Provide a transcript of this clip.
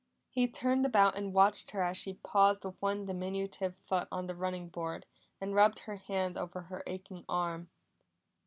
He turned about and watched her as she paused with one diminutive foot on the running board, and rubbed her hand over her aching arm.